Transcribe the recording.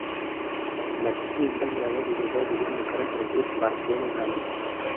Mu matsinda ya babiribabiri mugaragaze imbata y’umwandiko